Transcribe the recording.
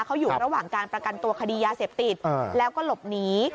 เขาอยู่ระหว่างการประกันตัวคดียาเสพติดแล้วก็หลบหนี